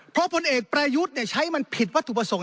เพราะผลเอกประยุทธ์ใช้มันผิดวัตถุประสงค์